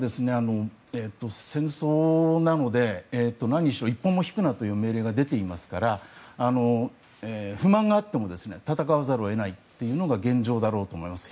戦争なので何しろ一歩も引くなという命令が出ていますから不満があっても戦わざるを得ないというのが現状だと思います。